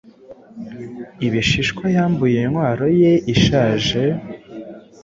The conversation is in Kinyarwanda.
ibishishwa yambuye intwaro ye ishaje